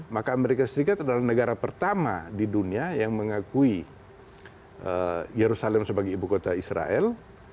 maka amerika serikat adalah negara pertama di dunia yang mengakui yerusalem sebagai ibu kota israel